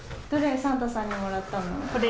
サンタさんにもらったの。